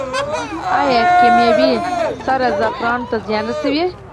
آیا کیمیاوي سره زعفرانو ته زیان رسوي؟